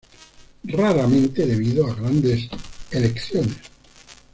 Raramente debido a grandes deleciones.